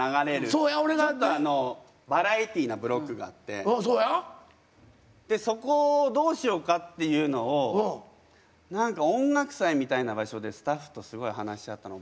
ちょっとバラエティーなブロックがあってそこをどうしようかっていうのを何か音楽祭みたいな場所でスタッフとすごい話し合ったの覚えてます。